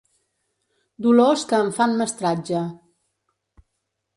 Dolors que em fan mestratge.